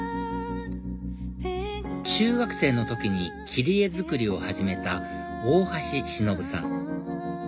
中学生の時に切り絵作りを始めた大橋忍さん